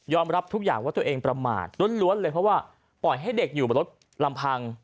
รับทุกอย่างว่าตัวเองประมาทล้วนเลยเพราะว่าปล่อยให้เด็กอยู่บนรถลำพัง